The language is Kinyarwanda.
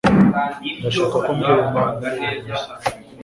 Ndashaka ko umbwira impamvu wabeshye.